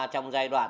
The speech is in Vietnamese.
trong giai đoạn